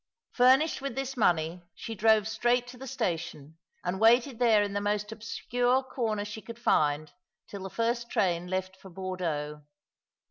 Furnished with this money she drove straight to the station, and waited there in the most obscure corner she could find till the first train left for Bordeaux.